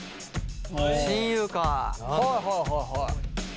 親友か。